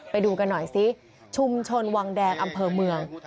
ไปดูกันหน่อยสิชุมชนวังแดงอำเภอเมือง